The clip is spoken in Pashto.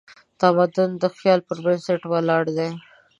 تمدن د خیال پر بنسټ ولاړ دی.